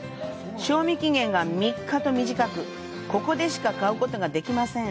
賞味期限が３日と短く、ここでしか買うことができません。